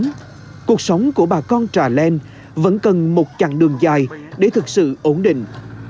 tuy nhiên cuộc sống của bà con trà len vẫn cần một chặng đường dài để thực sự ổn định